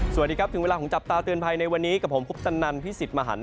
สวัสดีครับถึงเวลาของจับตาเตือนภัยในวันนี้กับผมคุปตนันพิสิทธิ์มหัน